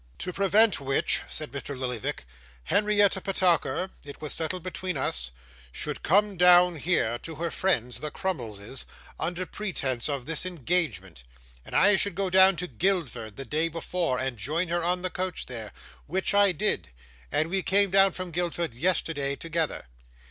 'To prevent which,' said Mr. Lillyvick, 'Henrietta Petowker (it was settled between us) should come down here to her friends, the Crummleses, under pretence of this engagement, and I should go down to Guildford the day before, and join her on the coach there, which I did, and we came down from Guildford yesterday together.